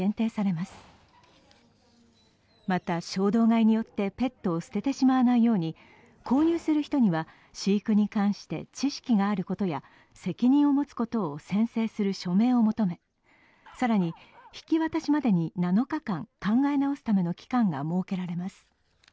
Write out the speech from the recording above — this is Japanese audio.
また、衝動買いによってペットを捨ててしまわないように購入する人には飼育に関して知識があることや責任を持つことを宣誓する署名を求め、更に、引き渡しまでに７日間考え直すための期間が設けられます。